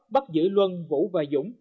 bắc dữ luân vũ và dũng